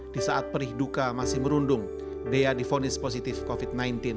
di saat perih duka masih merundung dea difonis positif covid sembilan belas